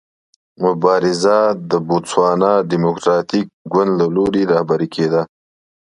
مبارزه د بوتسوانا ډیموکراټیک ګوند له لوري رهبري کېده.